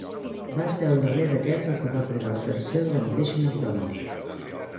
Va ser el darrer d'aquests el que va cridar l'atenció de la mateixa McDonald.